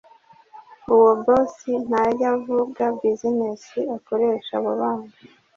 uwo boss ntajya avuga business akoresha abo bana,